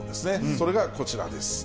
それがこちらです。